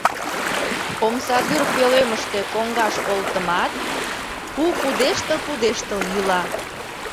Омсадӱр пӧлемыште коҥгаш олтымат, пу пудештыл-пудештыл йӱла.